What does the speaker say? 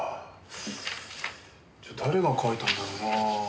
じゃ誰が描いたんだろうなあ。